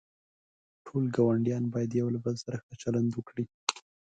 ټول گاونډیان باید یوله بل سره ښه چلند وکړي.